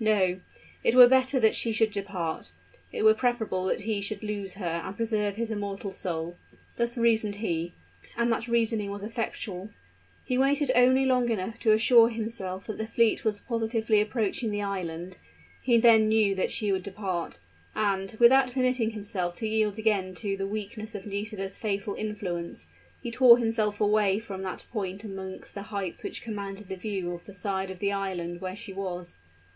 No; it were better that she should depart; it were preferable that he should lose her and preserve his immortal soul. Thus reasoned he; and that reasoning was effectual. He waited only long enough to assure himself that the fleet was positively approaching the island: he then knew that she would depart; and, without permitting himself to yield again to the weakness which had for a few moments threatened to send him back within the sphere of Nisida's fatal influence, he tore himself away from that point amongst the heights which commanded the view of the side of the island where she was.